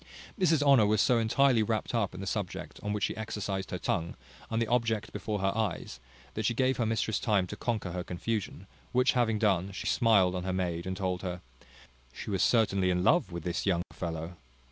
Mrs Honour was so intirely wrapped up in the subject on which she exercised her tongue, and the object before her eyes, that she gave her mistress time to conquer her confusion; which having done, she smiled on her maid, and told her, "she was certainly in love with this young fellow."